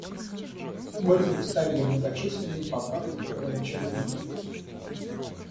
Мы представили многочисленные поправки к первоначальному тексту.